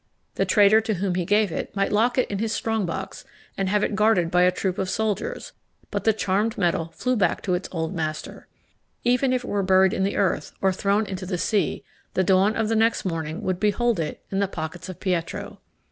The trader to whom he gave it might lock it in his strong box and have it guarded by a troop of soldiers, but the charmed metal flew back to its old master. Even if it were buried in the earth, or thrown into the sea, the dawn of the next morning would behold it in the pockets of Pietro.